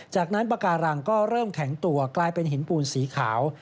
จากนั้นปากการังก็เริ่มแข็งตัวกลายเป็นหินปูนสีขาว